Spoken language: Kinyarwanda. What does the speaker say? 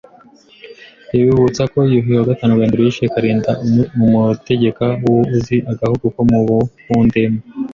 iributsa ko Yuhi IV Gahindiro yishe Karinda umutegeka w’u uzi agahugu ko mu uhunde m